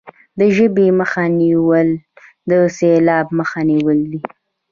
د ژبې مخه نیول د سیلاب مخه نیول دي.